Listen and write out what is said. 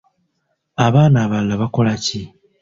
Abaana abalala bakolaki?